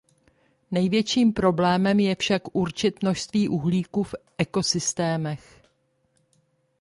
Největším problémem je však určit množství uhlíku v ekosystémech.